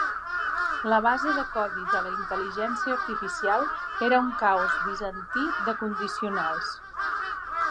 La base de codi de la intel·ligència artificial era un caos bizantí de condicionals.